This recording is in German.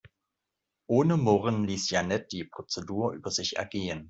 Ohne Murren ließ Jeanette die Prozedur über sich ergehen.